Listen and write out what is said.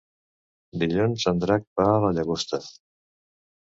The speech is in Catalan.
Dilluns en Drac va a la Llagosta.